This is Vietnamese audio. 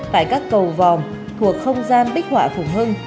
tại các cầu vòm thuộc không gian bích họa phùng hưng